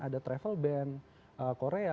ada travel ban korea